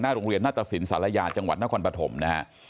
หน้าโรงเรียนนาตรศิลป์สาระยาจังหวัดนครปฐมนะฮะ